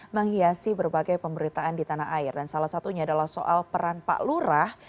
menghiasi berbagai pemberitaan di tanah air dan salah satunya adalah soal peran pak lurah